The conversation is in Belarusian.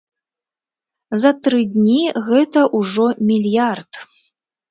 За тры дні гэта ўжо мільярд!